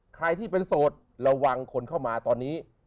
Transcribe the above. ใครที่เป็นโสดระวังคนเข้ามาตอนนี้